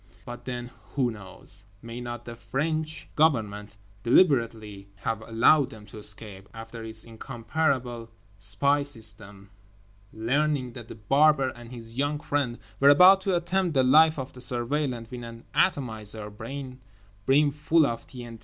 But then—who knows? May not the French Government deliberately have allowed them to escape, after—through its incomparable spy system—learning that The Barber and his young friend were about to attempt the life of the Surveillant with an atomizer brim full of T.N.T.?